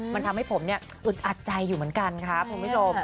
มันทำให้ผมอึดอัดใจอยู่เหมือนกันครับ